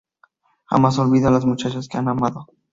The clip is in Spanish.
Jamás olvida a las muchachas que ha amado.